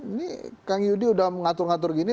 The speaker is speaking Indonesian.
ini kang yudi udah mengatur ngatur gini